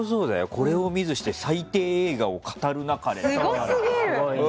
これを見ずして最低映画を語るなかれ！